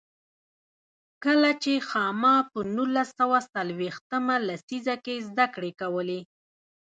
کله چې خاما په نولس سوه څلوېښت مه لسیزه کې زده کړې کولې.